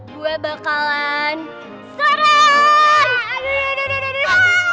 gue bakalan serang